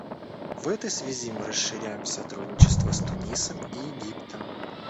В этой связи мы расширяем сотрудничество с Тунисом и Египтом.